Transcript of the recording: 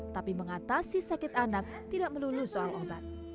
tapi mengatasi sakit anak tidak melulu soal obat